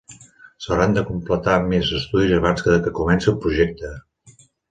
S'hauran de completar més estudis abans de que comenci el projecte.